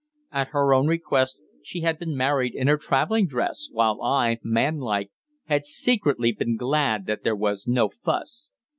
At her own request, she had been married in her travelling dress, while I, man like, had secretly been glad that there was no fuss.